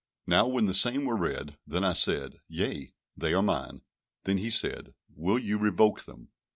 Now when the same were read, then I said, "Yea, they are mine." Then he said, "Will you revoke them?"